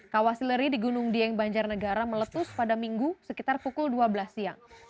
kawah sileri di gunung dieng banjarnegara meletus pada minggu sekitar pukul dua belas siang